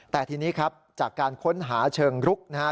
แต่ทีนี้ครับจากการค้นหาเชิงรุกนะฮะ